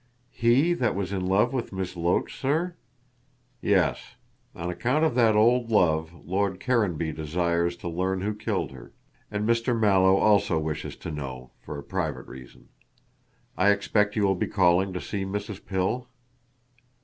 "He that was in love with Miss Loach, sir?" "Yes. On account of that old love, Lord Caranby desires to learn who killed her. And Mr. Mallow also wishes to know, for a private reason. I expect you will be calling to see Mrs. Pill?"